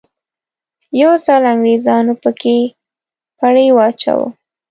یو ځل انګریزانو په کې پړی واچاوه.